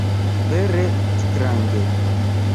Vere strange.